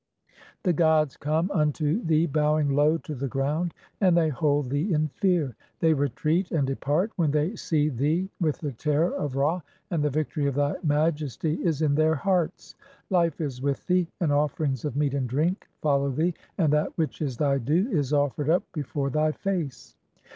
The gods come unto "thee bowing low to the ground, and they hold thee in fear ; "they retreat and depart when they (33) see thee with the terror "of Ra, and the victory of thy Majesty is in their hearts. Life is "with thee, and offerings of meat and drink (34) follow thee, "and that which is thy due is offered up before thy face."